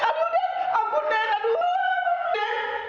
aduh terima kasih ibu dek